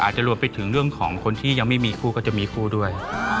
จะรวมไปถึงเรื่องของคนที่ยังไม่มีคู่ก็จะมีคู่ด้วย